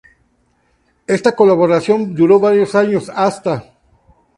Esta colaboración duró varios años, hasta.